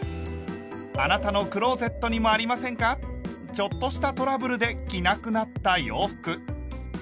ちょっとしたトラブルで着なくなった洋服。